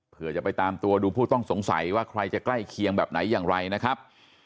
เพื่อจะไปตามตัวดูผู้ต้องสงสัยว่าใครจะใกล้เคียงแบบไหนอย่างไรนะครับ